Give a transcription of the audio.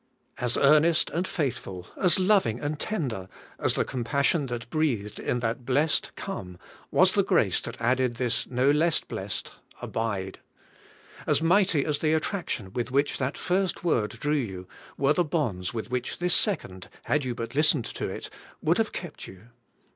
As earnest and faith ful, as loving and tender, as the compassion that breathed in that blessed ' Come^^ was the grace that ALL YE WHO HAVE COME TO HIM. 15 added this no less blessed 'Abide,'* As mighty as the attraction with which that first word drew yon, were the bonds with which this second, had you bnt lis tened to it, would have kept yon.